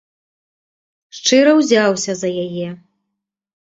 Шчыра ўзяўся за яе.